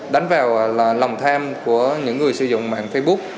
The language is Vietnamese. đánh vào là lòng tham của những người sử dụng mạng facebook